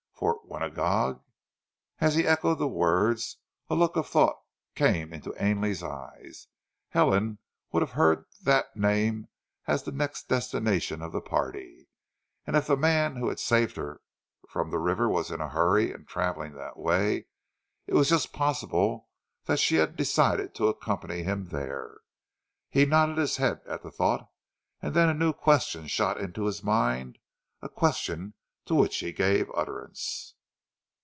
"Fort Winagog!" As he echoed the words, a look of thought came into Ainley's eyes. Helen would have heard that name as the next destination of the party, and if the man who had saved her from the river was in a hurry and travelling that way it was just possible that she had decided to accompany him there. He nodded his head at the thought, and then a new question shot into his mind, a question to which he gave utterance.